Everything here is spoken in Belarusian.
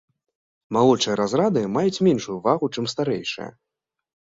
Малодшыя разрады маюць меншую вагу, чым старэйшыя.